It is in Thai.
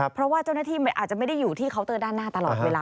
เพราะว่าเจ้าหน้าที่อาจจะไม่ได้อยู่ที่เคาน์เตอร์ด้านหน้าตลอดเวลา